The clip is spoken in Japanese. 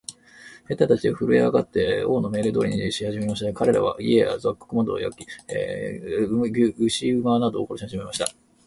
兵隊たちはふるえ上って、王の命令通りにしはじめました。かれらは、家や穀物などを焼き、牛馬などを殺しはじめました。